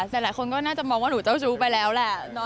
แต่หลายคนก็น่าจะมองว่าหนูเจ้าชู้ไปแล้วแหละ